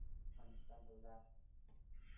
Such mappings are surjective but not injective.